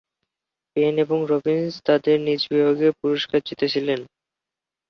Pen এবং Robbins তাঁদের নিজ বিভাগে পুরস্কার জিতেছিলেন।